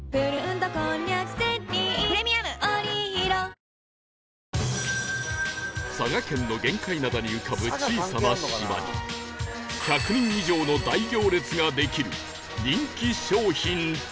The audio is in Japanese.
最高の渇きに ＤＲＹ佐賀県の玄界灘に浮かぶ小さな島に１００人以上の大行列ができる人気商品とは？